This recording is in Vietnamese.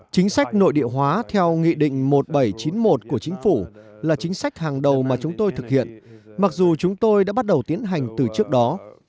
chính sách nội địa hóa theo nghị định một nghìn bảy trăm chín mươi một của chính phủ là chính sách hàng đầu mà chúng tôi thực hiện mặc dù chúng tôi đã bắt đầu tiến hành từ trước đó